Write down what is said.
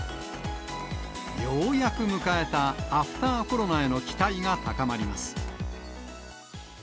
ようやく迎えたアフターコロナへの期待が高まります。